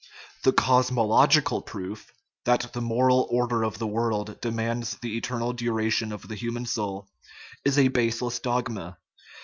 The cosmological proof that the " moral order of the world " demands the eternal duration of the human soul is a baseless dogma.